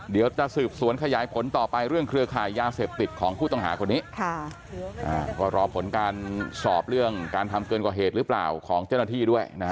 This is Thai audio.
เดี๋ยวจะซืพสวนขยายผลต่อไปเรื่องเครือขายยาเสพติดของผู้ต้องหาคนนี้